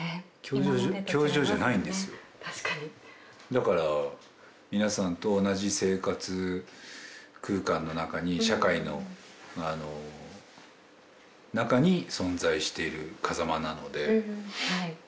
「だから皆さんと同じ生活空間の中に」「社会の中に存在してる風間なので」